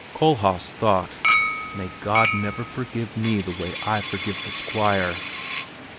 Kohlhaas thought, "May God never forgive me the way I forgive the Squire!"